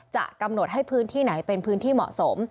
จะกำหนดให้พื้นที่ไหนเป็นพื้นที่เหมาะสม